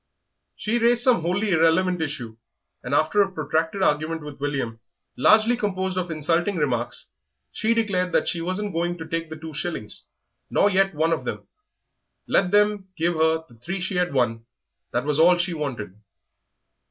She raised some wholly irrelevant issue, and after a protracted argument with William, largely composed of insulting remarks, she declared that she wasn't going to take the two shillings, nor yet one of them; let them give her the three she had won that was all she wanted.